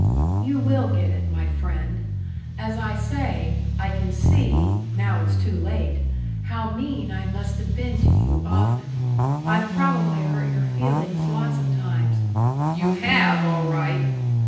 "You will get it, my friend!... As I say, I can see now it's too late how mean I must have been to you often. I've probably hurt your feelings lots of times " "You have, all right."